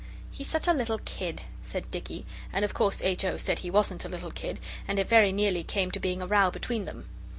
'He's such a little kid,' said Dicky, and of course H. O. said he wasn't a little kid, and it very nearly came to being a row between them.